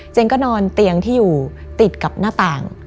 ก็นอนเตียงที่อยู่ติดกับหน้าต่าง